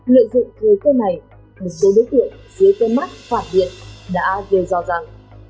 lợi dụng thời cơ này một số đối tiện dưới cơn mắt phản biện đã gây do rằng